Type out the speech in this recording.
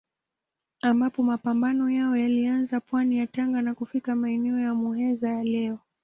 Ambapo mapambano yao yalianza pwani ya Tanga na kufika maeneo ya Muheza ya leo.